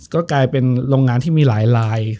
ก็กลายเป็นโรงงานที่มีหลายลาย